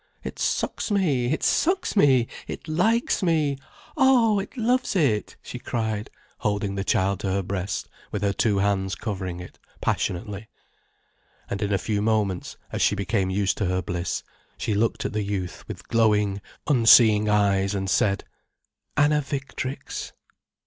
"It sucks me, it sucks me, it likes me—oh, it loves it!" she cried, holding the child to her breast with her two hands covering it, passionately. And in a few moments, as she became used to her bliss, she looked at the youth with glowing, unseeing eyes, and said: "Anna Victrix."